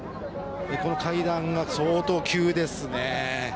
この階段が相当急ですね。